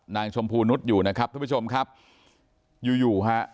ชมพูนุษย์อยู่นะครับทุกผู้ชมครับอยู่อยู่ฮะ